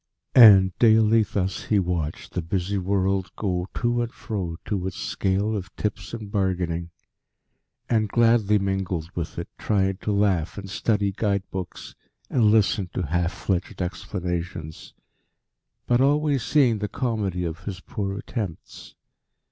And daily thus he watched the busy world go to and fro to its scale of tips and bargaining, and gladly mingled with it, trying to laugh and study guidebooks, and listen to half fledged explanations, but always seeing the comedy of his poor attempts.